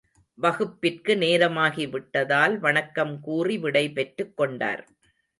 வகுப்பிற்கு நேரமாகி விட்டதால் வணக்கம் கூறி விடை பெற்றுக் கொண்டார்.